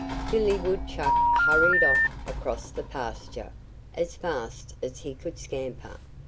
Billy Woodchuck hurried off across the pasture as fast as he could scamper.